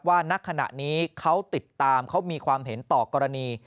ณขณะนี้เขาติดตามเขามีความเห็นต่อกรณี